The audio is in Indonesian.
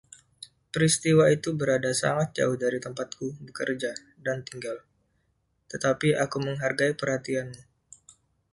Peristiwa itu berada sangat jauh dari tempatku bekerja dan tinggal, tetapi aku menghargai perhatianmu.